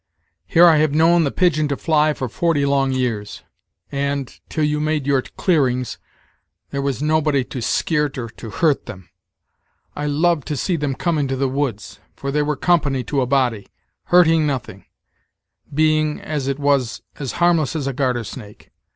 "Here have I known the pigeon to fly for forty long years, and, till you made your clearings, there was nobody to skeart or to hurt them, I loved to see them come into the woods, for they were company to a body, hurting nothing being, as it was, as harmless as a garter snake.